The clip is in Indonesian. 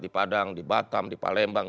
di padang di batam di palembang